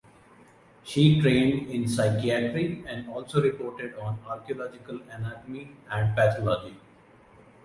She trained in psychiatry and also reported on archaeological anatomy and pathology.